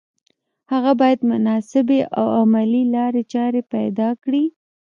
هغه باید مناسبې او عملي لارې چارې پیدا کړي